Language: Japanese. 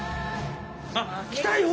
あっ来たよ。